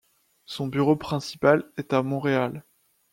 Son bureau principal est à Montréal.